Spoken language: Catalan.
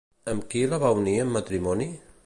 Amb qui la va unir en matrimoni?